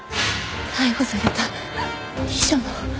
逮捕された秘書の